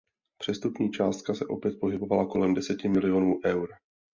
Přestupní částka se opět pohybovala kolem deseti milionů eur.